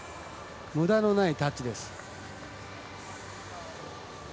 むだのないタッチです。